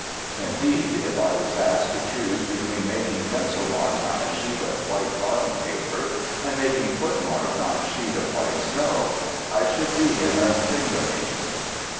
Indeed, if I was asked to choose between making pencil marks on a sheet of white blotting paper and making foot marks on a sheet of white snow I should be in a thingummy.